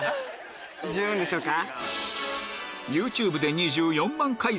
十分でしょうか？